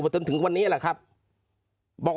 เจ้าหน้าที่แรงงานของไต้หวันบอก